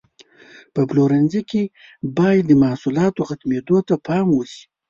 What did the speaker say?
په پلورنځي کې باید د محصولاتو ختمېدو ته پام وشي.